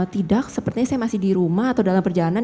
tidak sepertinya saya masih di rumah atau dalam perjalanan